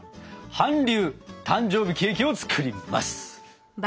韓流誕生日ケーキを作ります！